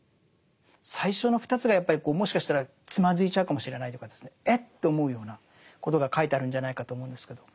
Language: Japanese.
最初の２つがやっぱりもしかしたらつまずいちゃうかもしれないというかえっ？と思うようなことが書いてあるんじゃないかと思うんですけど。